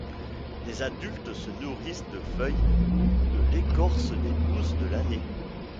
Les adultes se nourrissent de feuilles ou de l'écorce des pousses de l'année.